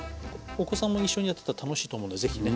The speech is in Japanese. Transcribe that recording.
お子さんも一緒にやってたら楽しいと思うので是非ね。